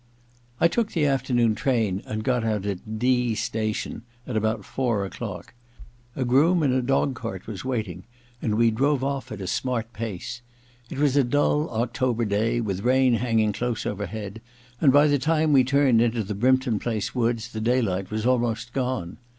I took the afternoon train and got out at D station at about four o'clock. A groom in a dog Hcart was waiting, and we drove off at a smart pace. It was a dull October day, with rain hanging dose overhead, and by the time we turned into Brympton Place woods the daylight was almost gone.